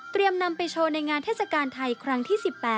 นำไปโชว์ในงานเทศกาลไทยครั้งที่๑๘